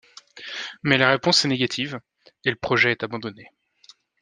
Mais la réponse est négative, et le projet est abandonné.